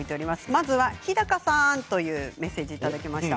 まずは日高さーん！というメッセージをいただきました。